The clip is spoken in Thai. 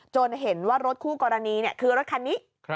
เห็นว่ารถคู่กรณีคือรถคันนี้